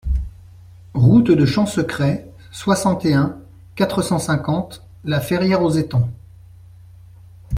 Route de Champsecret, soixante et un, quatre cent cinquante La Ferrière-aux-Étangs